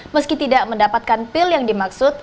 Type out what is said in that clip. meski tidak mendapatkan pil yang dimaksud